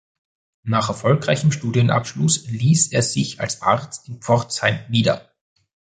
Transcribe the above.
Nach erfolgreichem Studienabschluss ließ er sich als Arzt in Pforzheim nieder.